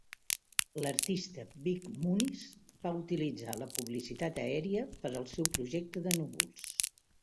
L'artista Vik Muniz va utilitzar la publicitat aèria per al seu projecte de "núvols".